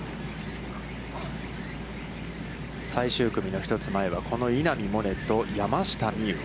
最終組の１つ前は、この稲見萌寧と山下美夢有。